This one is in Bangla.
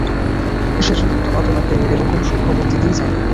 সেইজন্যই তো মা, তোমাকে এরকম সব খবর দিতেই চাই না।